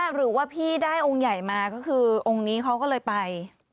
หรือว่าพี่ได้องค์ใหญ่มาก็คือองค์นี้เขาก็เลยไป